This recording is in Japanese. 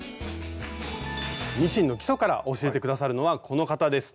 ミシンの基礎から教えて下さるのはこの方です。